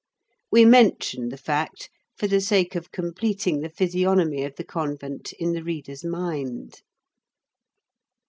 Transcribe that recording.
We mention the fact for the sake of completing the physiognomy of the convent in the reader's mind.